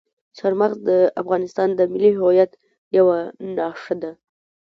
چار مغز د افغانستان د ملي هویت یوه نښه ده.